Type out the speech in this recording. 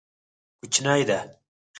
کوچنی ده.